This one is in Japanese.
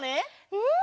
うん！